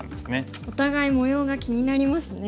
お互い模様が気になりますね。